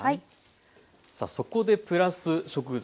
さあそこでプラス食材